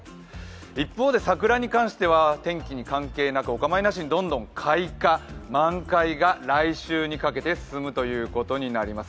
一方で桜に関しては、天気に関係なく、お構いなしにどんどん開花、満開が来週にかけて進むということになります。